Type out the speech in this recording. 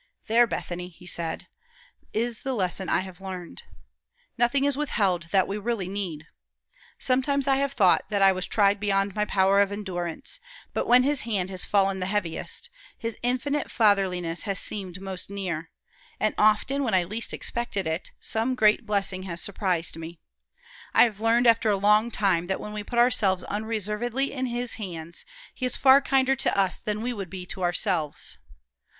"There, Bethany," he said, "is the lesson I have learned. Nothing is withheld that we really need. Sometimes I have thought that I was tried beyond my power of endurance, but when His hand has fallen the heaviest, His infinite fatherliness has seemed most near; and often, when I least expected it, some great blessing has surprised me. I have learned, after a long time, that when we put ourselves unreservedly in His hands, he is far kinder to us than we would be to ourselves.